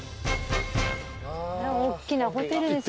おっきなホテルですね。